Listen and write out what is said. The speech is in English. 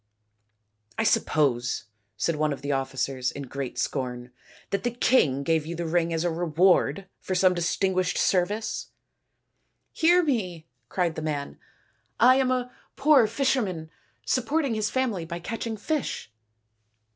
" I suppose," said one of the officers in great scorn, " that the king gave you the ring as a reward for some distinguished service ?"" Hear me," cried the man; " I am a poor fisher man, supporting his family by catching fish."